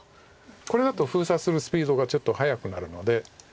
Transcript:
これだと封鎖するスピードがちょっと速くなるので。